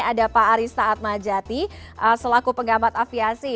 ada pak arista atmajati selaku pengamat aviasi